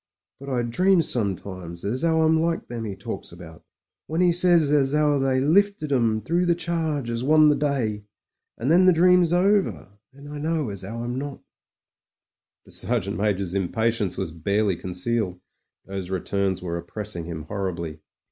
But — I dreams sometimes as 'ow I'm like them he talks about, when 'e says as 'ow they lifted 'em through the charge as won the day. And then the dream's over, and I know as 'ow I'm not." The Sergeant Major's impatience was barely con cealed; those returns were oppressing him horribly.